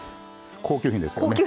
高級品ですからね。